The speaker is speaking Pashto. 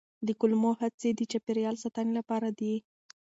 د کمولو هڅې د چاپیریال ساتنې لپاره دي.